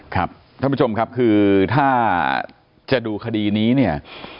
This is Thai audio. ครับท่านผู้ชมครับคือถ้าจะดูคดีนี้เนี่ย